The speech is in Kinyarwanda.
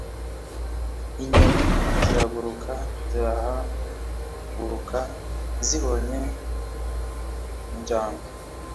inyoni ziraguruka zirahaguruka zibonye injangwe